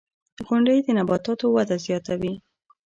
• غونډۍ د نباتاتو وده زیاتوي.